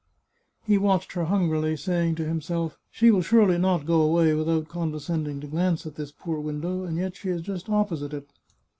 He watched her hungrily, saying to himself :" She will surely not go away without condescending to glance at this poor window, and yet she is just opposite it."